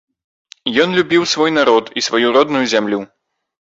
Ён любіў свой народ і сваю родную зямлю.